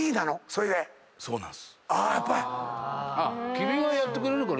君がやってくれるから。